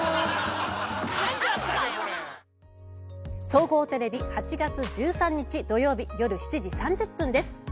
総合テレビ８月１３日土曜日夜７時３０分です。